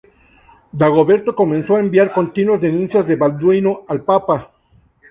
Dagoberto comenzó a enviar continuas denuncias de Balduino al papa.